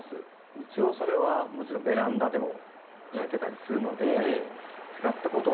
一応それはもちろんベランダでもやってたりするので使ったことはあります。